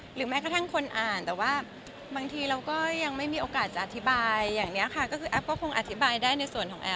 แม้กระทั่งคนอ่านแต่ว่าบางทีเราก็ยังไม่มีโอกาสจะอธิบายอย่างนี้ค่ะก็คือแอฟก็คงอธิบายได้ในส่วนของแอฟ